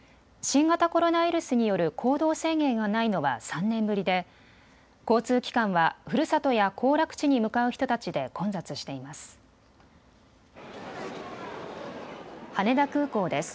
新型コロナウイルスによる行動制限がないのは３年ぶりで交通機関はふるさとや行楽地に向かう人たちで混雑しています。